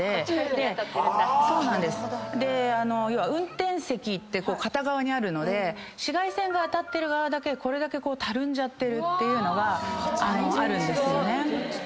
運転席って片側にあるので紫外線が当たってる側だけこれだけたるんじゃってるっていうのがあるんですよね。